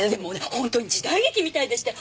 本当に時代劇みたいでしたよ。